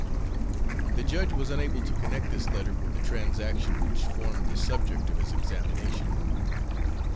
The judge was unable to connect this letter with the transaction which formed the subject of his examination.